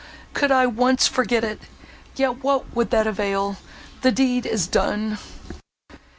could I once forget it!—yet what would that avail?—the deed is done!"